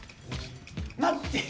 待って。